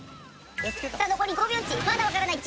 残り５秒ッチまだ分からないッチ。